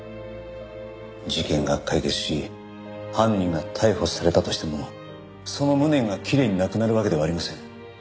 事件が解決し犯人が逮捕されたとしてもその無念がきれいになくなるわけではありません。